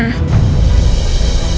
aku mau peluk mama